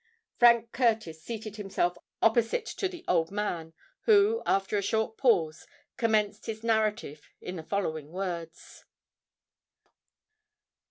Frank Curtis seated himself opposite to the old man, who, after a short pause, commenced his narrative in the following words.